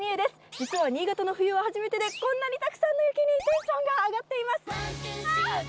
実は新潟の冬は初めてで、こんなにたくさんの雪にテンションが上がっています。